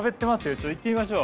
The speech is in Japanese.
ちょっと行ってみましょう。